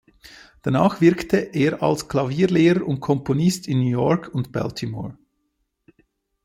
Danach wirkte er als Klavierlehrer und Komponist in New York und Baltimore.